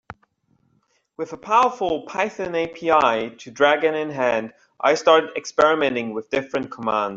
With a powerful Python API to Dragon in hand, I started experimenting with different commands.